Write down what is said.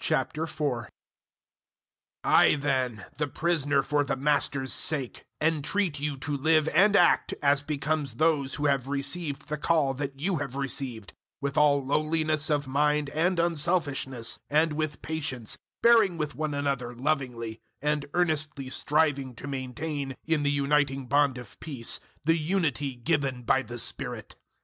004:001 I, then, the prisoner for the Master's sake, entreat you to live and act as becomes those who have received the call that you have received 004:002 with all lowliness of mind and unselfishness, and with patience, bearing with one another lovingly, and earnestly striving to maintain, 004:003 in the uniting bond of peace, the unity given by the Spirit.